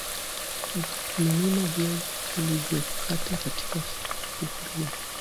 Mimina viazi ulivyokata kwenye sufuria